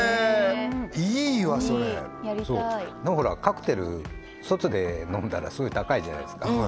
いいわそれいいやりたいカクテル外で飲んだらすごい高いじゃないですか